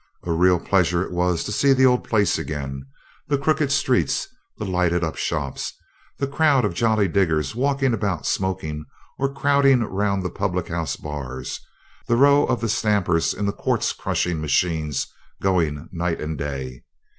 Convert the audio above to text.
A real pleasure it was to see the old place again. The crooked streets, the lighted up shops, the crowd of jolly diggers walking about smoking, or crowding round the public house bars, the row of the stampers in the quartz crushing machines going night and day.